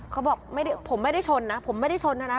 เขาบอกผมไม่ได้ชนนะผมไม่ได้ชนนะนะ